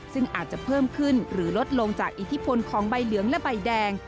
ซึ่งอาจจะเพิ่มขึ้นหรือลดลงจากอิทธิพลของใบเหลืองและใบแดง